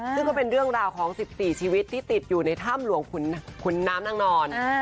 ซึ่งก็เป็นเรื่องราวของ๑๔ชีวิตที่ติดอยู่ในถ้ำหลวงขุนน้ำนางนอน